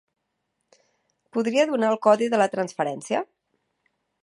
Podria donar el codi de la transferència?